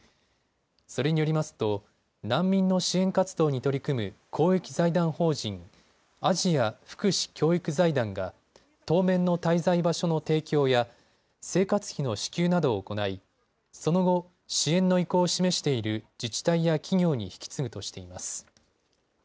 それによりますと難民の支援活動に取り組む公益財団法人アジア福祉教育財団が当面の滞在場所の提供や生活費の支給などを行いその後、支援の意向を示している自治体や企業に引き継ぐとしています。